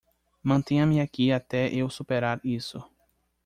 Mantenha-me aqui até eu superar isso.